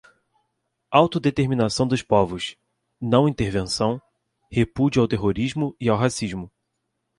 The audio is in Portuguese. autodeterminação dos povos; não-intervenção; repúdio ao terrorismo e ao racismo;